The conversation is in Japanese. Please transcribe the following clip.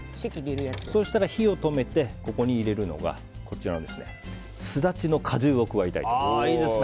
そうしたら、火を止めてここに入れるのがスダチの果汁を加えたいと思います。